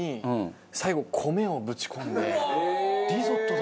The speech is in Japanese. リゾットだ！